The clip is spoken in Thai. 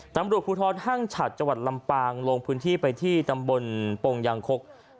ตำรวจภูทรห้างฉัดจังหวัดลำปางลงพื้นที่ไปที่ตำบลปงยางคก